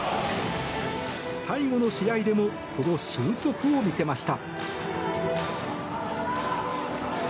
最後の試合でもその俊足を見せました。